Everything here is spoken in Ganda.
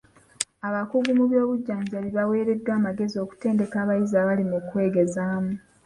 Abakugu mu by'obujjanjabi baweereddwa amagezi okutendeka abayizi abali mu kwegezaamu.